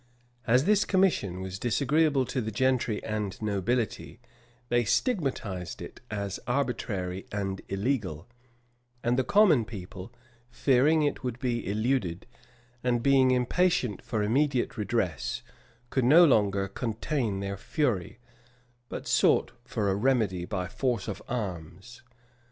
[*] As this commission was disagreeable to the gentry and nobility, they stigmatized it as arbitrary and illegal; and the common people, fearing it would be eluded, and being impatient for immediate redress, could no longer contain their fury, but sought for a remedy by force of arms.